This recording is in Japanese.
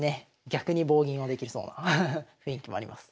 逆に棒銀をできそうな雰囲気もあります。